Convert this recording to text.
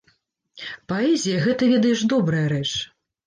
Паэзія, гэта, ведаеш, добрая рэч.